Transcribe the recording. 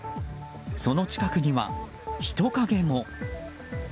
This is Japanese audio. その近くには、人影も。